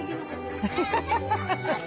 ハハハハ。